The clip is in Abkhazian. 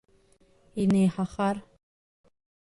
Инеиҳахар?